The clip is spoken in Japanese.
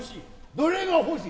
どれが欲しい。